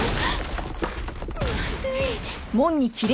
まずい。